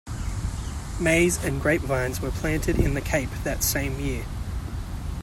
Maize and Grape vines were planted in the Cape that same year.